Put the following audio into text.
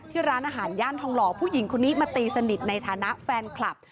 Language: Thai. ร้านอาหารย่านทองหล่อผู้หญิงคนนี้มาตีสนิทในฐานะแฟนคลับ